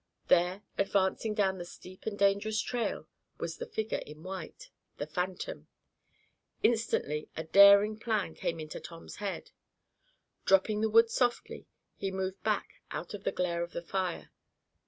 There, advancing down the steep and dangerous trail was the figure in white the phantom. Instantly a daring plan came into Tom's head. Dropping the wood softly, he moved back out of the glare of the fire.